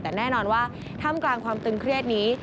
แต่แน่นอนว่าท่ามกลางความตึงเครียดนี้